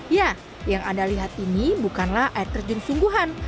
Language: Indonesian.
ya yang anda lihat ini bukanlah air terjun sungguhan